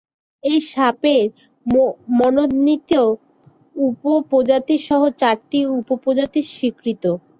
এ সাপের মনোনীত উপ-প্রজাতি সহ চারটি উপ-প্রজাতি স্বীকৃত।